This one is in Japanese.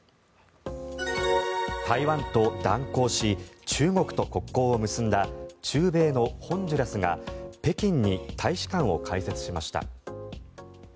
台湾と断交し中国と国交を結んだ中米のホンジュラスが北京に大使館を開設しました。